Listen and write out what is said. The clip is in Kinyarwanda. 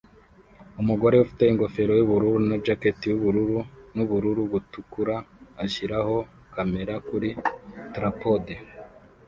Umugore ufite ingofero yubururu na jacket yubururu nubururu butukura ashyiraho kamera kuri trapode